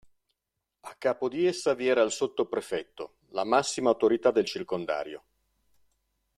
A capo di essa vi era il sottoprefetto, la massima autorità del circondario.